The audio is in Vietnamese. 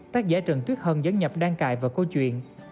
phần dẫn nhập đan cại vào câu chuyện